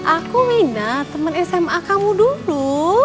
aku wina temen sma kamu dulu